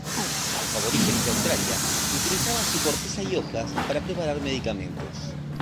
Los aborígenes de Australia utilizan su corteza y hojas para preparar medicamentos.